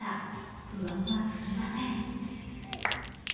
不安は尽きません。